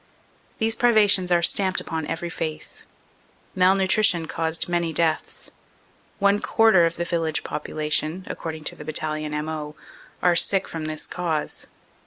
These privations are stamped upon every face. Malnutri tion caused many deaths. One quarter of the village popula tion, according to the Battalion M.O., are sick from this cause.